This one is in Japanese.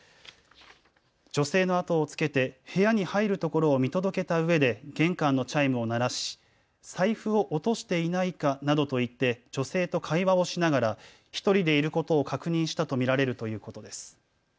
女性のあとをつけて部屋に入るところを見届けたうえで玄関のチャイムを鳴らし財布を落としていないかなどと言って女性と会話をしながら１人でいることを確認したと見られるということです。